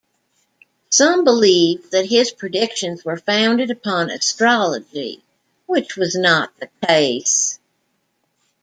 Some believed that his predictions were founded upon astrology, which was not the case.